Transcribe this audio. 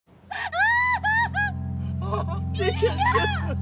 あ。